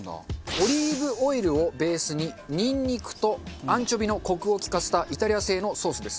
オリーブオイルをベースにニンニクとアンチョビのコクを利かせたイタリア製のソースです。